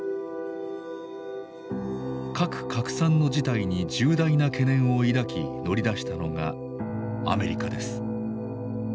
核拡散の事態に重大な懸念を抱き乗り出したのがアメリカです。